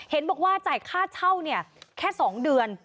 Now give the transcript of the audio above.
เห็นบอกว่าจ่ายค่าเช่าเนี่ยแค่๒เดือน